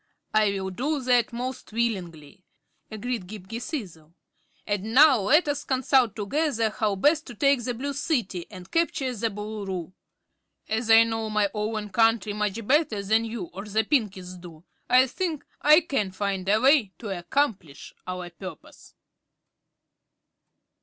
"I will do that most willingly," agreed Ghip Ghisizzle. "And now let us consult together how best to take the Blue City and capture the Boolooroo. As I know my own country much better than you or the Pinkies do, I think I can find a way to accomplish our purpose."